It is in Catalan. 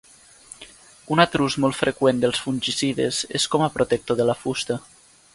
Un altre ús molt freqüent dels fungicides és com a protector de la fusta.